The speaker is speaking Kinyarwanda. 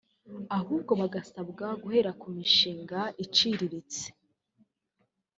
ahubwo bagasabwa guhera ku mishinga iciriritse